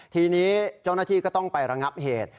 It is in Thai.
ทีนี้เจ้าหน้าที่ก็ต้องไประงับเหตุ